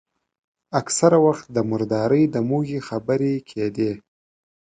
اکثره وخت د مردارۍ د موږي خبرې کېدې.